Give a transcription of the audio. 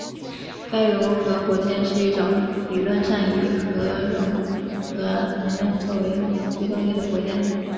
核融合火箭是一种理论上以核融合能量作为推动力的火箭。